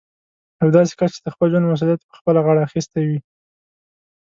يو داسې کس چې د خپل ژوند مسوليت يې په خپله غاړه اخيستی وي.